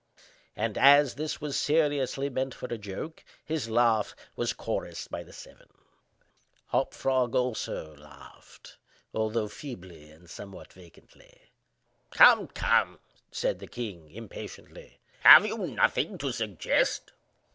and as this was seriously meant for a joke, his laugh was chorused by the seven. Hop Frog also laughed, although feebly and somewhat vacantly. "Come, come," said the king, impatiently, "have you nothing to suggest?"